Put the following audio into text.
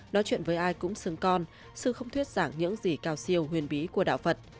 nói chuyện với ai cũng xứng con sự không thuyết giảng những gì cao siêu huyền bí của đạo phật